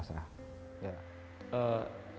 sudah di informasi dia ingin kembali